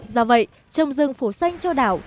do vậy trồng rừng phủ xanh cho đảo